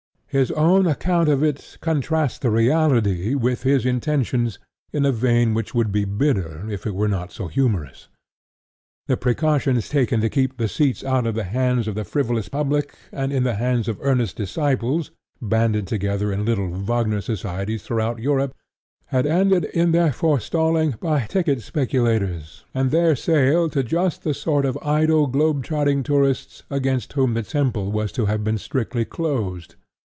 His own account of it contrasts the reality with his intentions in a vein which would be bitter if it were not so humorous. The precautions taken to keep the seats out of the hands of the frivolous public and in the hands of earnest disciples, banded together in little Wagner Societies throughout Europe, had ended in their forestalling by ticket speculators and their sale to just the sort of idle globe trotting tourists against whom the temple was to have been strictly closed.